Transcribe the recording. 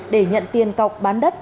để nhận tiền cọc bán đất